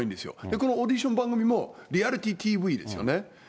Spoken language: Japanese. このオーディション番組も、リアリティーＴＶですよね。